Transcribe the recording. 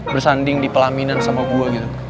bersanding di pelaminan sama gue gitu